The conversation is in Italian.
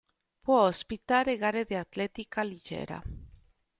Può ospitare gare di atletica leggera.